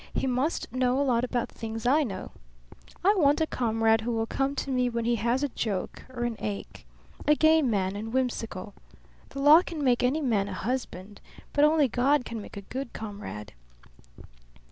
He must know a lot about things I know. I want a comrade who will come to me when he has a joke or an ache. A gay man and whimsical. The law can make any man a husband, but only God can make a good comrade."